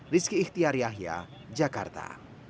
rizky ihtiariahya jakarta